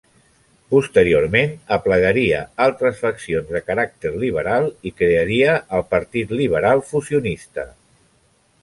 Posteriorment aplegaria altres faccions de caràcter liberal i crearia el Partit Liberal Fusionista.